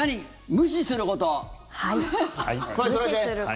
無視すること。